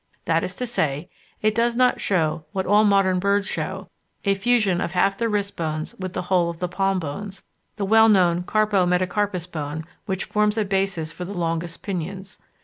That is to say, it does not show, what all modern birds show, a fusion of half the wrist bones with the whole of the palm bones, the well known carpo metacarpus bone which forms a basis for the longest pinions.